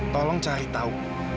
tolong cari tau